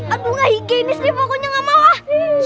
aduh nggak higienis nih pokoknya nggak mau ah